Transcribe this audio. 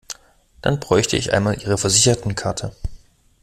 Dann bräuchte ich einmal ihre Versichertenkarte.